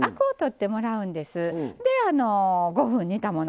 で５分煮たもの。